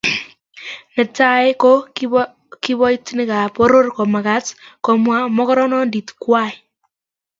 Netai ko kiboitinikab poror komagat komwa mogornondit ngwai